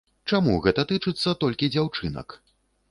Чаму гэта тычыцца толькі дзяўчынак?